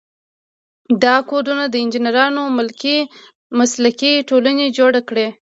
دا کودونه د انجینرانو ملي مسلکي ټولنې جوړ کړي.